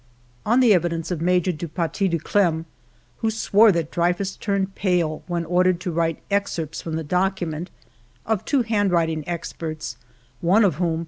On the evidence of Major du Paty de Clam, who swore that Dreyfus turned pale when ordered to write excerpts from the document ; of two handwriting experts, one of whom, M.